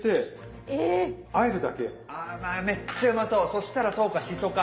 そしたらそうかしそか。